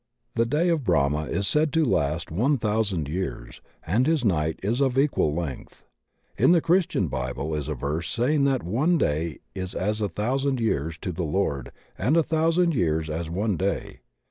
The Day of Brahma is said to last one thousand years, and his Night is of equal length. In the Chris tian Bible is a verse saying that one day is as a thou sand years to the Lord and a thousand years as one day.